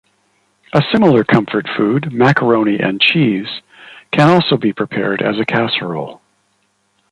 A similar comfort food, macaroni and cheese, can also be prepared as a casserole.